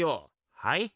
はい？